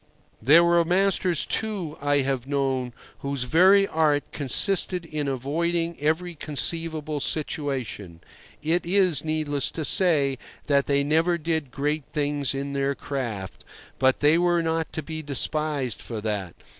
There were masters, too, I have known, whose very art consisted in avoiding every conceivable situation. It is needless to say that they never did great things in their craft; but they were not to be despised for that.